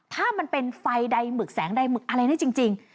ถ้ามันเป็นไฟใดหมึกแสงใดหมึกอะไรได้จริง